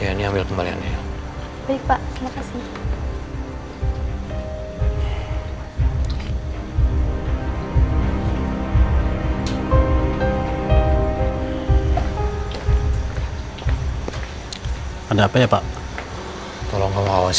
yaudah deh ma kita ke kamar